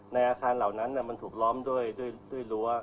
ในอาคารเหล่านั้นมันถูกล้อมด้วยรั้ว